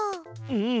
うん。